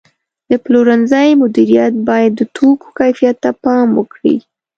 د پلورنځي مدیریت باید د توکو کیفیت ته پام وکړي.